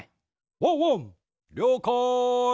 ワンワンりょうかい！